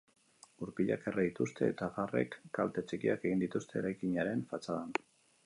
Gurpilak erre dituzte, eta garrek kalte txikiak egin dituzte eraikinaren fatxadan.